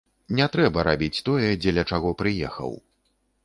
Не, трэба рабіць тое, дзеля чаго прыехаў.